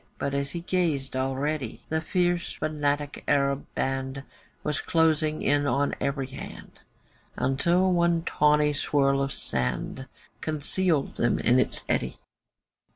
But as he gazed, already The fierce fanatic Arab band Was closing in on every hand, Until one tawny swirl of sand, Concealed them in its eddy.